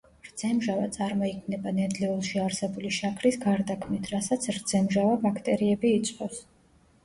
რძემჟავა წარმოიქმნება ნედლეულში არსებული შაქრის გარდაქმნით, რასაც რძემჟავა ბაქტერიები იწვევს.